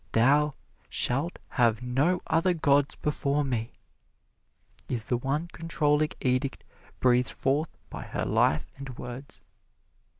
"Thou shalt have no other gods before me!" is the one controlling edict breathed forth by her life and words.